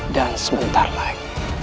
dan sebentar lagi